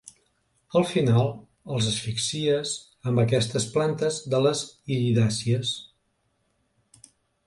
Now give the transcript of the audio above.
Al final, els asfíxies amb aquestes plantes de les iridàcies.